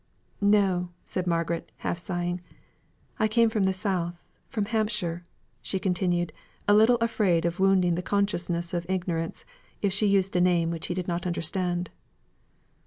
"No!" said Margaret, half sighing. "I come from the South from Hampshire," she continued, a little afraid of wounding his consciousness of ignorance, if she used a name which he did not understand.